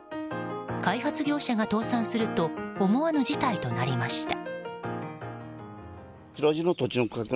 開発業者が倒産すると思わぬ事態となりました。